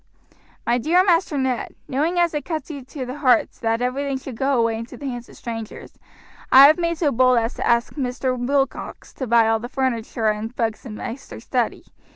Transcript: "MY DEAR MASTER NED: Knowing as it cut you to the heart that everything should go away into the hands of strangers, I have made so bold as to ask Mr. Willcox for to buy all the furniter and books in maister's study.